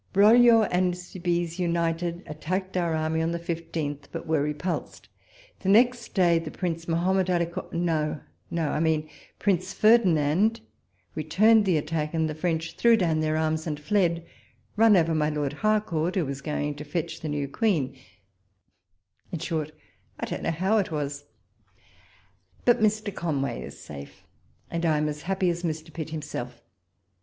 Broglio and Subise united, attacked our army on the loth, but were repulsed ; the next day, the Prince Mahomet Alii Cawn — no, no, I mean Prince Ferdinand, returned the attack, and the French threw down their arms and fled, run over my Lord Harcourt, who was going to fetch the new Queen ; in short, I don't know how it was, but Mr. Conway is safe, and I am as happy as Mr. Pitt himself.